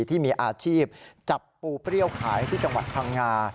ที่มีอาชีพจับปูเปรี้ยวขายที่จังหวัดพังงา